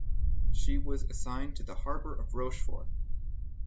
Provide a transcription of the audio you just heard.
She was assigned to the harbour of Rochefort.